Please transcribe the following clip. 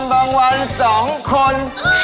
บางวัน๒คน